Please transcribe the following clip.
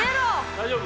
大丈夫？